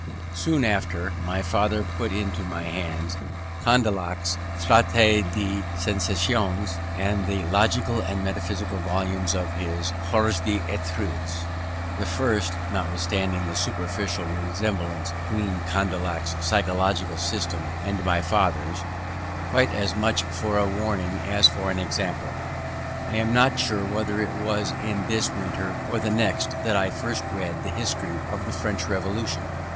Soon after, my father put into my hands Condillac's Traité des Sensations, and the logical and metaphysical volumes of his Cours d'Etudes; the first (notwithstanding the superficial resemblance between Condillac's psychological system and my father's) quite as much for a warning as for an example. I am not sure whether it was in this winter or the next that I first read a history of the French Revolution.